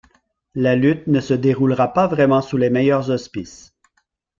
La lutte ne se déroula pas vraiment sous les meilleurs auspices.